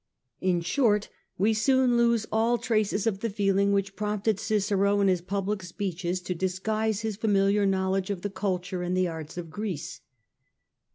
In short we soon lose all traces of the feeling which prompted Cicero in his public speeches to disguise his familiar knowledge of the culture and the arts of Greece.